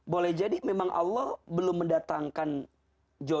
boleh jadi memang allah belum mendatangkan jodoh